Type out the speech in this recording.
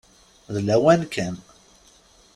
D lawan kan.